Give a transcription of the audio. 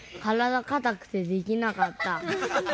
からだかたくてできなかった。